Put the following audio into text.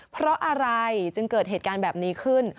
เพราะอะไรจึงเกิดเหตุการณ์แบบนี้ขึ้น